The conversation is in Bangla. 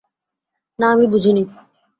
না আমি বুঝিনি।